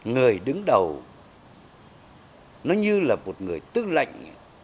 người đứng đầu nó như là một người tư lệnh